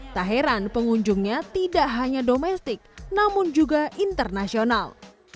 tak heran pengunjungnya tidak hanya domestik namun juga internasional